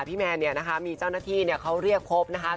แมนเนี่ยนะคะมีเจ้าหน้าที่เขาเรียกพบนะคะ